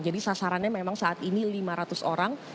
jadi sasarannya memang saat ini lima ratus orang